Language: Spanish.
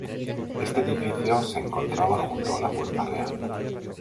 Este edificio se encontraba junto a la Puerta Real.